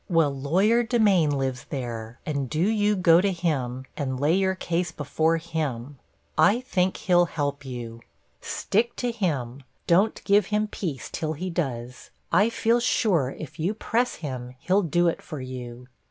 'Well, lawyer Demain lives there, and do you go to him, and lay your case before him; I think he'll help you. Stick to him. Don't give him peace till he does. I feel sure if you press him, he'll do it for you.'